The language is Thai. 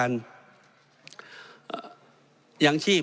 เพราะฉะนั้นโทษเหล่านี้มีทั้งสิ่งที่ผิดกฎหมายใหญ่นะครับ